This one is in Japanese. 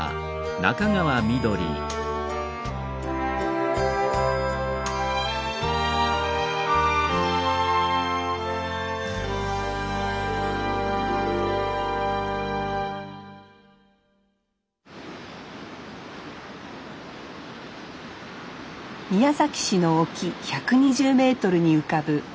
宮崎市の沖１２０メートルに浮かぶ青島。